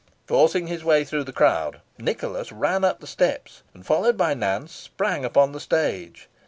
Forcing his way through the crowd, Nicholas ran up the steps, and, followed by Nance, sprang upon the stage.